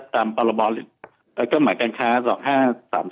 ตามปรบเครื่องหมายการค้า๒๕๓๔